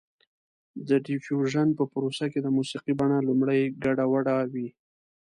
د ډیفیوژن په پروسه کې د موسیقۍ بڼه لومړی ګډه وډه وي